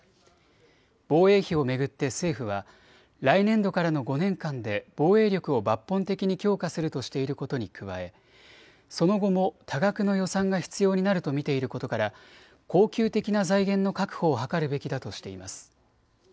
防衛費を巡って政府は来年度からの５年間で防衛力を抜本的に強化するとしていることに加えその後も多額の予算が必要になると見ていることから恒久的な財源の確保を図るべきだとしています。